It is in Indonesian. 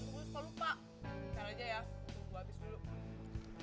sekarang aja ya tunggu abis dulu